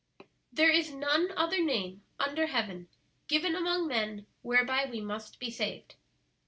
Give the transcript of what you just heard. "There is none other name under heaven given among men whereby we must be saved."